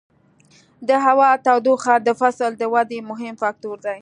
د هوا تودوخه د فصل د ودې مهم فکتور دی.